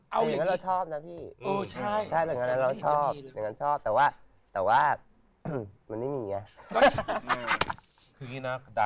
อย่างนั้นเราชอบนะพี่แต่ว่ามันไม่มีไง